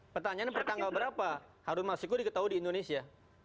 pertanyaannya pertanggal berapa harun masiku diketahui di indonesia